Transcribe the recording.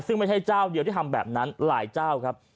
ซึ่งไม่ใช่เจ้าเดียวที่ทำแบบนั้นหลายเจ้าครับ